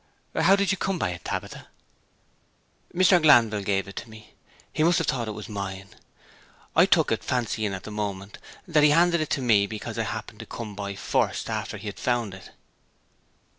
'But how did you come by it, Tabitha?' 'Mr. Glanville gave it to me; he must have thought it was mine. I took it, fancying at the moment that he handed it to me because I happened to come by first after he had found it.'